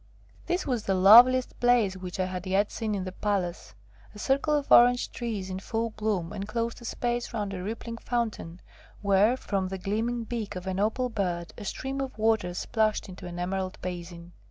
This was the loveliest place which I had yet seen in the palace. A circle of orange trees in full bloom enclosed a space round a rippling fountain, where from the gleaming beak of an opal bird a stream of water splashed into an emerald basin.